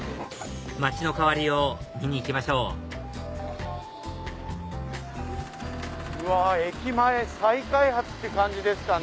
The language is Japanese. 街の変わりよう見に行きましょう駅前再開発って感じですかね。